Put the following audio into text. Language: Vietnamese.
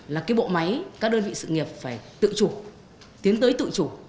là cái bộ máy các đơn vị sự nghiệp phải tự chủ tiến tới tự chủ